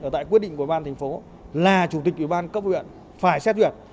tại quyết định của ủy ban thành phố là chủ tịch ủy ban cấp ưu viện phải xét duyệt